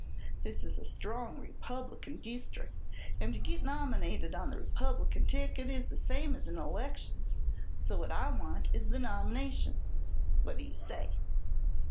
This is a strong Republican deestric', and to git nominated on the Republican ticket is the same as an election. So what I want is the nomination. What do you say?"